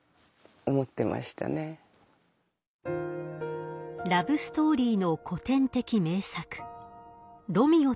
それはラブストーリーの古典的名作